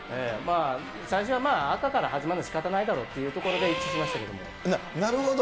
最初は赤から始まるのはしかたないだろうというところで一致しまなるほど。